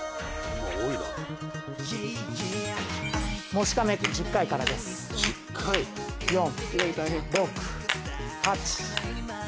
もしかめ１０回からです。